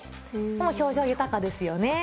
表情豊かですよね。